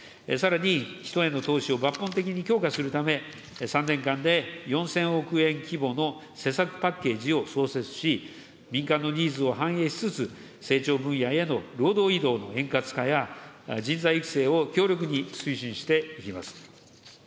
さらに、人への投資を抜本的に強化するため、３年間で４０００億円規模の施策パッケージを創設し、民間のニーズを反映しつつ、成長分野への労働移動の円滑化や、人材育成を強力に推進していきます。